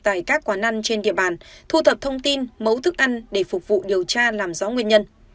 tại các quán ăn trên địa bàn thu thập thông tin mẫu thức ăn để phục vụ điều tra làm rõ nguyên nhân